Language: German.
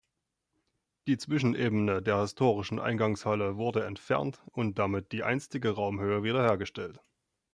Die Zwischenebene der historischen Eingangshalle wurde entfernt und damit die einstige Raumhöhe wiederhergestellt.